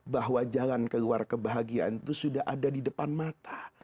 bahwa jalan keluar kebahagiaan itu sudah ada di depan mata